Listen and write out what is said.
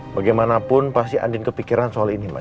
bagaimanapun pasti andin kepikiran soal ini mbak